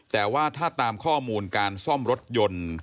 แต่ว่าถ้าตามข้อมูลการซ่อมรถยนต์